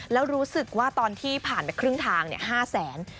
แล้วรู้สึกว่าตอนที่ผ่านไปครึ่งทาง๕แสน